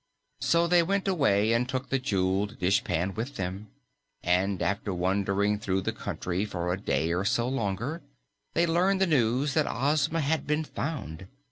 So they went away and took the jeweled dishpan with them. And after wandering through the country for a day or so longer, they learned the news that Ozma had been found.